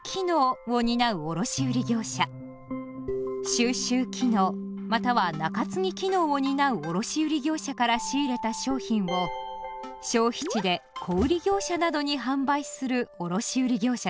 収集機能または仲継機能を担う卸売業者から仕入れた商品を消費地で小売業者などに販売する卸売業者です。